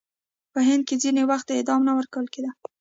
په هند کې ځینې وخت اعدام نه ورکول کېده.